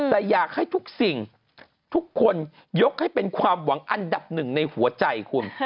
แต่อยากให้ทุกสิ่งทุกคนยกให้เป็นความหวังอันดับหนึ่งในหัวใจคุณ